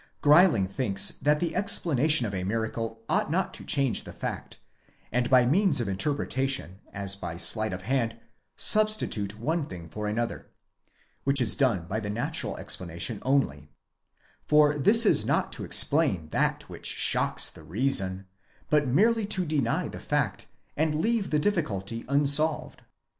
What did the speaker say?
Greiling thinks that the explanation of a miracle ought not to change the fact, and by means of interpretation, as by sleight of hand, substitute one thing for another; (which is done by the natural explanation only,) for this is not to explain that which shocks the reason, but merely to deny the fact, and leave the difficulty unsolved.